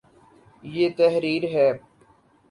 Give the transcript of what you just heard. یہ تحریر ہے